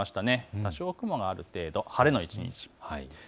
多少雲がある程度、晴れの一日。